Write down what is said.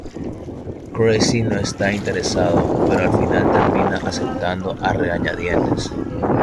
Creasy no está interesado, pero al final termina aceptando a regañadientes.